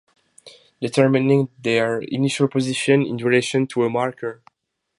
Determining their initial position in relation to a marker.